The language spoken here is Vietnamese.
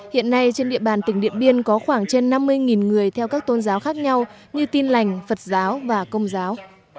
hiện nay trên địa bàn tỉnh điện biên có khoảng trên năm mươi người theo các tôn giáo khác nhau như tin lành phật giáo và công giáo